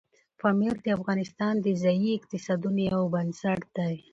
پامیر د افغانستان د ځایي اقتصادونو یو بنسټ دی.